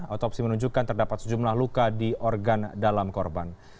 otopsi menunjukkan terdapat sejumlah luka di organ dalam korban